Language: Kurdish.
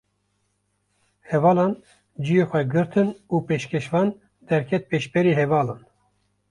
Hevalan ciyê xwe girtin û pêşkêşvan, derket pêşberî hevalan